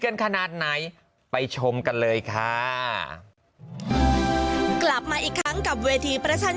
ขนาดไหนไปชมกันเลยค่ะกลับมาอีกครั้งกับเวทีประชัน